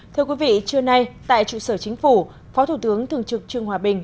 thưa quý vị trưa nay tại trụ sở chính phủ phó thủ tướng thường trực trương hòa bình